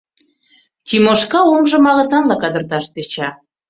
Тимошка оҥжым агытанла кадырташ тӧча.